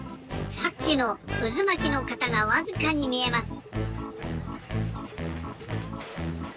さっきのうずまきの型がわずかにみえます！